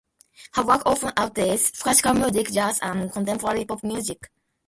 Her work often utilizes classical music, jazz, and contemporary pop music.